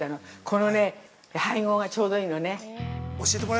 このね、配合がちょうどいいのね。